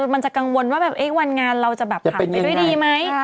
มันจะกังวลว่าวันงานเราจะแบบผ่านไปด้วยดีไหม